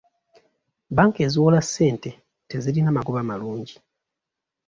Banka eziwola ssente tezirina magoba malungi.